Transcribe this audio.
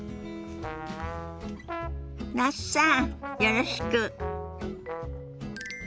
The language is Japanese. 那須さんよろしく。